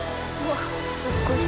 わっすっごい光。